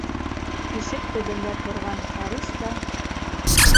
Ишек төбөндә торған Харис та: